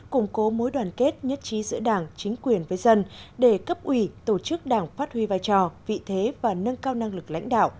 củng cố mối đoàn kết nhất trí giữa đảng chính quyền với dân để cấp ủy tổ chức đảng phát huy vai trò vị thế và nâng cao năng lực lãnh đạo